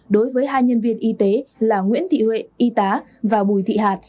đối với hai nhân viên y tế là nguyễn thị huệ y tá và bùi thị hạt